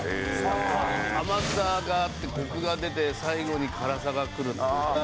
甘さがあってコクが出て最後に辛さが来るっていう。